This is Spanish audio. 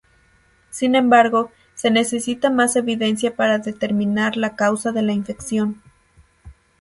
Sin embargo, se necesita más evidencia para determinar la causa de la infección.